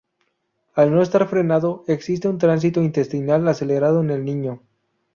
Al no estar frenado, existe un tránsito intestinal acelerado en el niño.